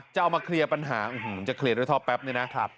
จะเอามาเคลียร์ปัญหาจะเคลียร์ด้วยท่อแป๊บนี่นะ